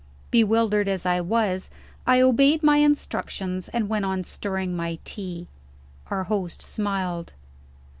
Bewildered as I was, I obeyed my instructions, and went on stirring my tea. Our host smiled.